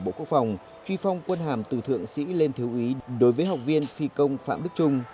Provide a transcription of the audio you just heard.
bộ quốc phòng truy phong quân hàm từ thượng sĩ lên thiếu ý đối với học viên phi công phạm đức trung